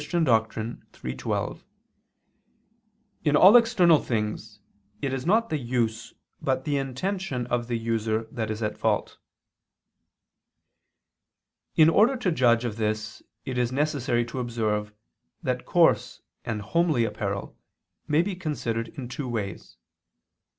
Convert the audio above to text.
iii, 12), "in all external things, it is not the use but the intention of the user that is at fault." In order to judge of this it is necessary to observe that coarse and homely apparel may be considered in two ways.